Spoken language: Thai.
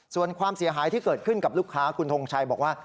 ส่วนความเสียหายที่เกิดขึ้นกับลูกค้าคุณทงชัยบอกว่า